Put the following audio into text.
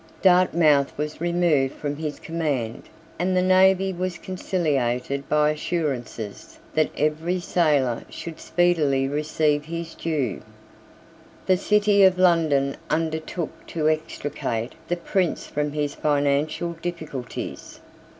Dartmouth was removed from his command; and the navy was conciliated by assurances that every sailor should speedily receive his due. The City of London undertook to extricate the Prince from his financial difficulties.